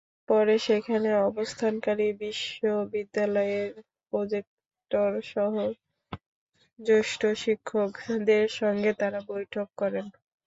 পরে সেখানে অবস্থানকারী বিশ্ববিদ্যালয়ের প্রক্টরসহ জ্যেষ্ঠ শিক্ষকদের সঙ্গে তাঁরা বৈঠক করেন।